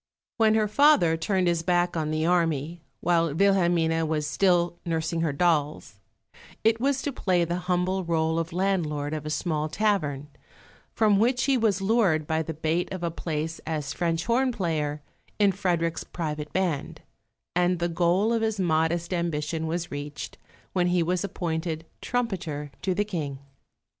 When her father turned his back on the army, while Wilhelmine was still nursing her dolls, it was to play the humble rôle of landlord of a small tavern, from which he was lured by the bait of a place as French horn player in Frederick's private band; and the goal of his modest ambition was reached when he was appointed trumpeter to the King.